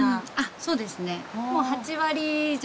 そうですね。